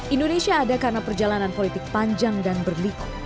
indonesia ada karena perjalanan politik panjang dan berliku